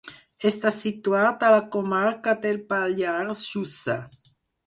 Està situat a la comarca del Pallars Jussà.